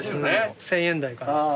１，０００円台から。